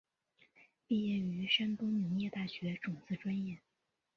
毕业于山东农业大学种子专业。